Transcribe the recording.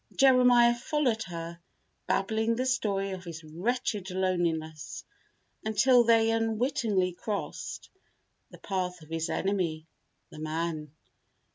Jeremiah followed her, babbling the story of his wretched loneliness, until they unwittingly crossed the path of his enemy, the man.